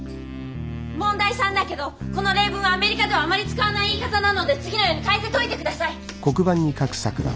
問題３だけどこの例文はアメリカではあまり使わない言い方なので次のように変えて解いてください。